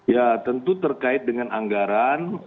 ya tentu terkait dengan anggaran